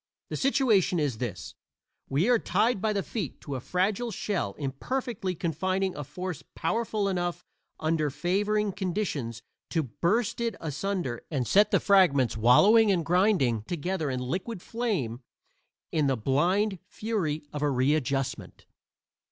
The situation is this: we are tied by the feet to a fragile shell imperfectly confining a force powerful enough under favoring conditions, to burst it asunder and set the fragments wallowing and grinding together in liquid flame, in the blind fury of a readjustment.